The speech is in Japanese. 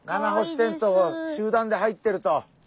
テントウ集団で入ってると。